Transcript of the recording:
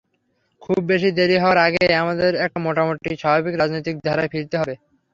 খুব বেশি দেরি হওয়ার আগেই আমাদের একটি মোটামুটি স্বাভাবিক রাজনৈতিক ধারায় ফিরতে হবে।